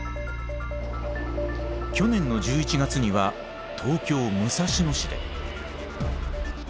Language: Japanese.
去年の１１月には東京・武蔵野市で。